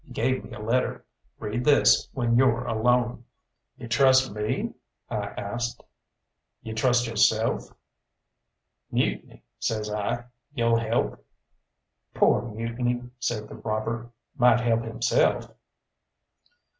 He gave me a letter. "Read this when you're alone." "You trust me?" I asked. "You trust yo'self?" "Mutiny," says I, "you'll help?" "Poor Mutiny," said the robber, "might help himself."